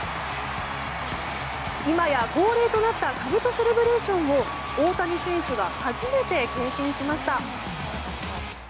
今や恒例となったかぶとセレブレーションを大谷選手が初めて経験しました。